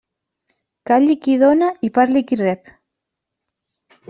Calli qui dóna i parli qui rep.